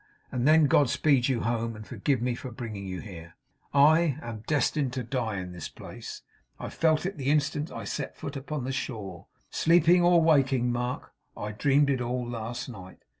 And then God speed you home, and forgive me for bringing you here! I am destined to die in this place. I felt it the instant I set foot upon the shore. Sleeping or waking, Mark, I dreamed it all last night.